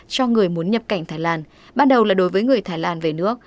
cho người muốn nhập cảnh thái lan bắt đầu là đối với người thái lan về nước